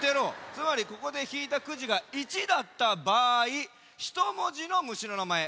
つまりここでひいたくじが１だったばあいひと文字の虫のなまえ。